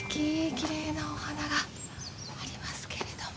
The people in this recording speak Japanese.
きれいなお花がありますけれども。